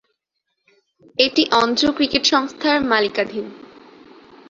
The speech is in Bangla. এটি অন্ধ্র ক্রিকেট সংস্থার মালিকানাধীন।